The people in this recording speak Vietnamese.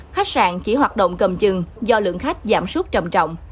khách sạn chỉ hoạt động cầm chừng do lượng khách giảm sút trầm trọng